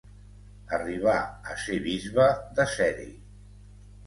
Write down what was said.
Arribà a ser bisbe de Ceri.